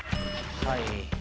はい。